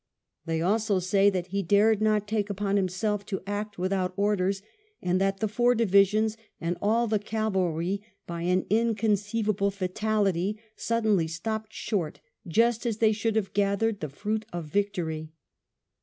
They also say that he dared not take upon himself to act without orders, and that " the four divisions and all the cavalry, by an inconceivable fatality, suddenly stopped short just as they should have gathered the fruit of victory."